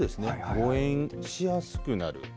誤えんしやすくなる。